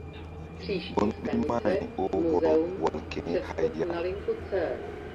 Gun ɓil mahri oh hɔrɔ wal keni hay ya.